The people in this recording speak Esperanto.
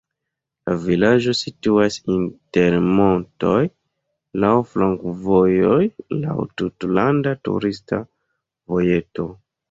La vilaĝo situas inter montoj, laŭ flankovojoj, laŭ tutlanda turista vojeto.